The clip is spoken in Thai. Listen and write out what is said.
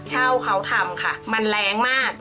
เช่าเขาทำค่ะมันแรงมาก